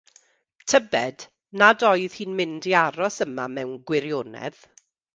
Tybed nad oedd hi'n mynd i aros yma mewn gwirioedd!